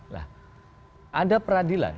nah ada peradilan